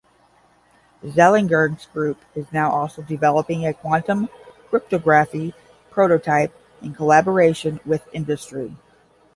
Zeilinger's group is now also developing a quantum cryptography prototype in collaboration with industry.